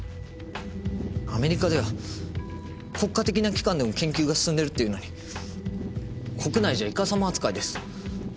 アメリカでは国家的な機関でも研究が進んでいるっていうのに国内じゃいかさま扱いです。